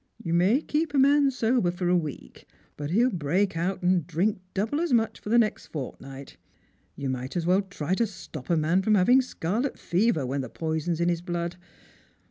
You may keep a man sober for a week, but he'll break out and drink double as much for the next fortnight. You might as well try to stop a man from having scarlet fever when the poison's in his blood.